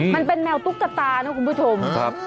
มันเป็นแมวตุ๊กตานะคุณผู้ชม